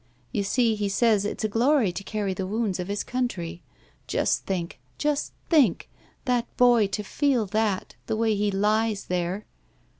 You see, he says it's a glory to carry the woimds of his country. Just think! just think! that boy to feel that, the way he Kes there!"